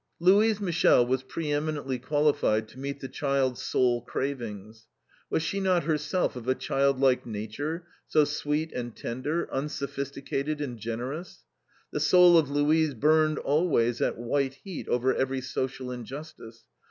Louise Michel was pre eminently qualified to meet the child's soul cravings. Was she not herself of a childlike nature, so sweet and tender, unsophisticated and generous. The soul of Louise burned always at white heat over every social injustice.